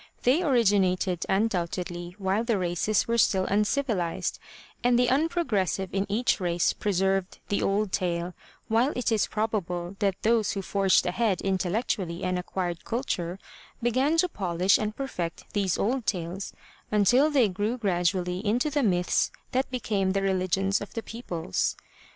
They originated undoubtedly while the races 182 THE LATCH KEY were still uncivilized, and the unprogressive in each race preserved the old tale, while it is probable that those who forged ahead in tellectually and acquired culture began to polish and perfect these old tales until they grew gradually into the myths that became the religions of the peoples.